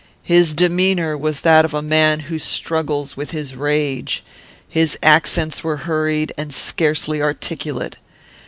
His demeanour was that of a man who struggles with his rage. His accents were hurried, and scarcely articulate.